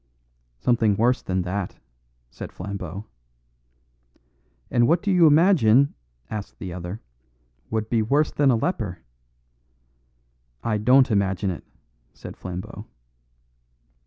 "Something worse than that," said Flambeau. "And what do you imagine," asked the other, "would be worse than a leper?" "I don't imagine it," said Flambeau.